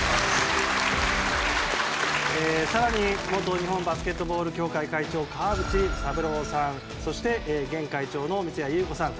更に元日本バスケットボール協会会長・川淵三郎さんそして現会長の三屋裕子さん